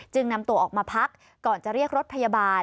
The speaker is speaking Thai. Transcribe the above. นำตัวออกมาพักก่อนจะเรียกรถพยาบาล